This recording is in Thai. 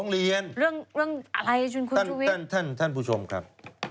เรื่องอะไรคุณชุวิตท่านผู้ชมครับ